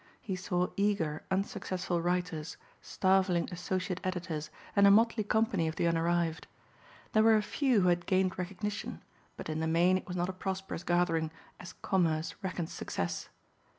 He saw eager unsuccessful writers, starveling associate editors and a motley company of the unarrived. There were a few who had gained recognition but in the main it was not a prosperous gathering as commerce reckons success.